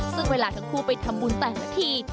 ซึ่งเวลาทั้งคู่ไปทำบุญแต่ละที